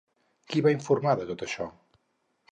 Qui va informar de tot això?